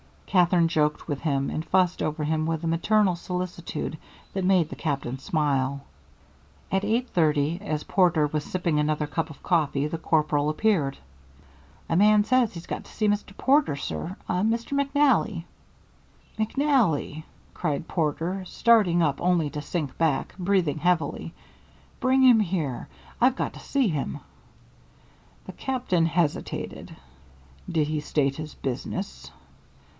Katherine joked with him, and fussed over him with a maternal solicitude that made the Captain smile. At eight thirty, as Porter was sipping another cup of coffee, the corporal appeared. "A man says he's got to see Mr. Porter, sir. A Mr. McNally." "McNally," cried Porter, starting up only to sink back, breathing heavily. "Bring him here. I've got to see him." The Captain hesitated. "Did he state his business?"